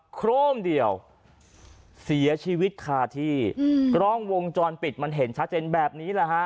โครมเดียวเสียชีวิตคาที่อืมกล้องวงจรปิดมันเห็นชัดเจนแบบนี้แหละฮะ